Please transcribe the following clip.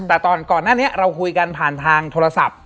แต่ก่อนหน้านี้เราคุยกันผ่านทางโทรศัพท์